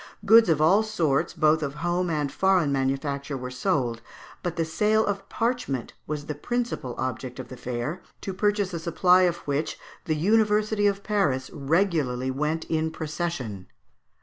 Goods of all sorts, both of home and foreign manufacture, were sold, but the sale of parchment was the principal object of the fair, to purchase a supply of which the University of Paris regularly went in procession.